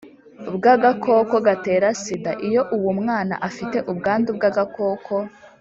Bw agakoko gatera sida iyo uwo mwana afite ubwandu bw agakoko